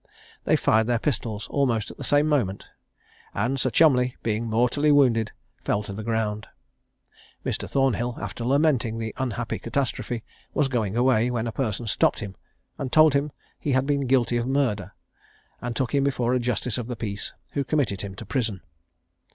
They fired their pistols almost at the same moment, and Sir Cholmondeley, being mortally wounded, fell to the ground. Mr, Thornhill, after lamenting the unhappy catastrophe, was going away, when a person stopped him, told him he had been guilty of murder, and took him before a justice of the peace, who committed him to prison.